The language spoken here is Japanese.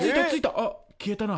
あっ消えたな。